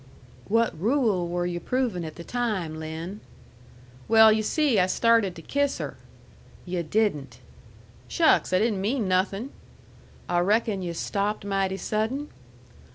"What rule were you provin' at the time, Lin?" "Well yu' see, I started to kiss her." "Yu' didn't!" "Shucks! I didn't mean nothin'." "I reckon yu' stopped mighty sudden?"